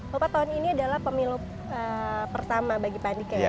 bapak tahun ini adalah pemilu pertama bagi pandika ya dua ribu dua puluh empat